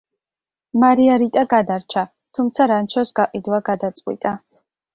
მარია რიტა გადარჩა, თუმცა რანჩოს გაყიდვა გადაწყვიტა.